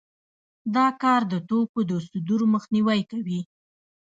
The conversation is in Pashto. دا کار د توکو د صدور مخنیوی کوي